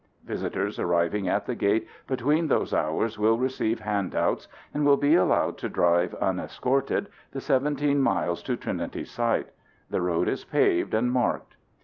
Visitors arriving at the gate between those hours will receive handouts and will be allowed to drive unescorted the 17 miles to Trinity Site. The road is paved and marked.